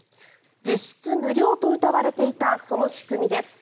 実質無料とうたわれていたその仕組みです。